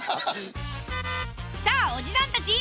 さぁおじさんたち